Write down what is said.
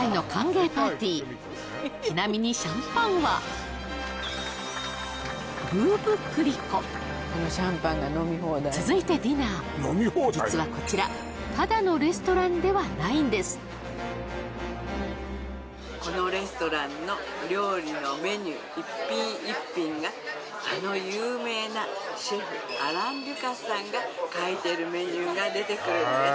ちなみにシャンパンは続いてディナー実はこちらこのレストランの料理のメニュー一品一品があの有名なシェフアラン・デュカスさんが書いているメニューが出てくるんです